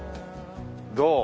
どう？